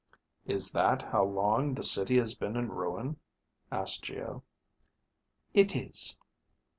"Is that how long the city has been in ruin?" asked Geo. "It is."